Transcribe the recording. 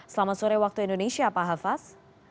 selamat sore waktu indonesia pak hafaz